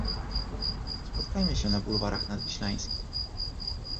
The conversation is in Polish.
Spotkajmy się na bulwarach nadwiślańskich.